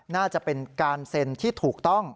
น่าจะเป็นการเซ็นที่ถูกต้อง